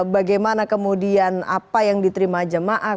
bagaimana kemudian apa yang diterima jemaah